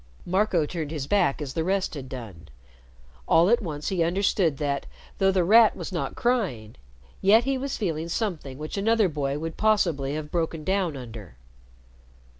Marco turned his back as the rest had done. All at once he understood that, though The Rat was not crying, yet he was feeling something which another boy would possibly have broken down under.